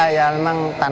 iya ya memang tantang